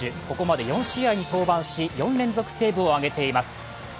ここまで４試合に登板し４連続セーブを挙げています。